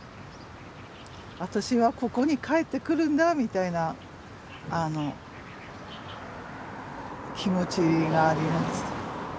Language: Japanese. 私はここに帰ってくるんだみたいな気持ちがあります。